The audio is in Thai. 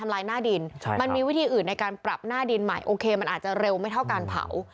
มันแมคจะเร็วไม่เท่าการเผา